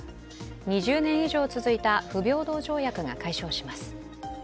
２０年以上続いた不平等条約が解消します。